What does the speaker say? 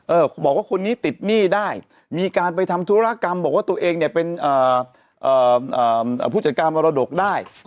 บอกว่าคนนี้ติดหนี้ได้มีการไปทำธุรกรรมบอกว่าตัวเองเนี่ยเป็นผู้จัดการมรดกได้